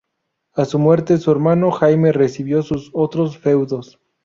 A su muerte, su hermano Jaime recibió sus otros feudos.